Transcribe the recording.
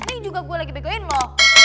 ini juga gue lagi begoin loh